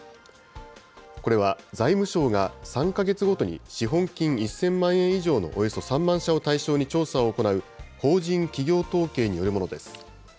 これは、財務省が３か月ごとに資本金１０００万円以上のおよそ３万社を対象に調査を行う法人企業統計によるものです。